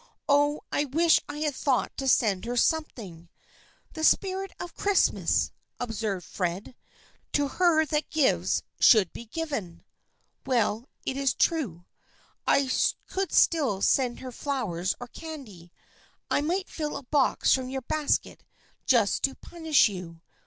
Oh, I wish I had thought to send her something !"" The spirit of Christmas !" observed Fred. " To her that gives should be given !"" Well, it is true. I could still send her flowers or candy. I might fill a box from your basket, just to punish you.